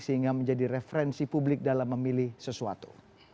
sehingga menjadi referensi publik dalam memilih sesuatu